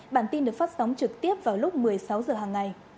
bản tin được phát sóng trực tiếp vào lúc một mươi sáu h hàng ngày